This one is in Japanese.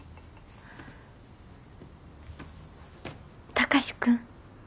貴司君？